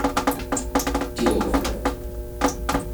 Deal with it!